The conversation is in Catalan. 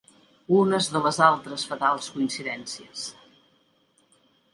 Unes de les altres fatals coincidències.